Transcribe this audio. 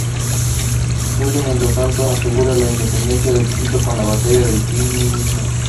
Sucre mientras tanto asegura la independencia en Quito con la Batalla de Pichincha.